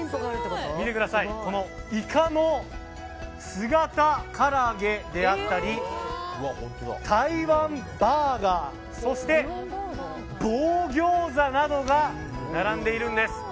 このイカの姿から揚げであったり台湾バーガーそして棒ギョーザなどが並んでいるんです。